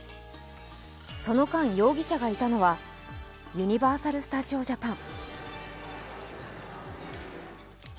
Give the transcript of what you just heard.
その間、容疑者がいたのはユニバーサル・スタジオ・ジャパン。